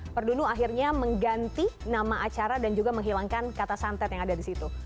perdunu akhirnya mengganti nama acara dan juga menghilangkan kata santet yang ada di situ